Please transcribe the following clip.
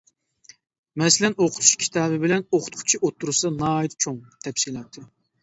مەسىلەن ئوقۇتۇش كىتابى بىلەن ئوقۇتقۇچى ئوتتۇرىسىدا ناھايىتى چوڭ. تەپسىلاتى.